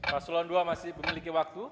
mas sulon dua masih memiliki waktu